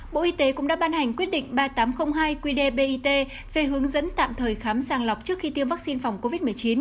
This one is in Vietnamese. bộ y tế cũng đã ban hành quyết định ba nghìn tám trăm linh hai qdbit về hướng dẫn tạm thời khám sàng lọc trước khi tiêm vaccine phòng covid một mươi chín